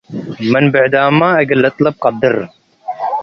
ምን ብዕዳምመ እግል ልጥለብ ቀድር ።